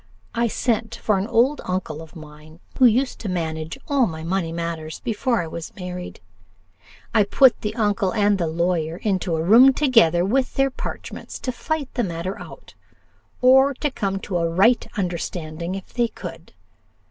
I sent for an old uncle of mine, who used to manage all my money matters before I was married: I put the uncle and the lawyer into a room, together with their parchments, to fight the matter out, or to come to a right understanding if they could.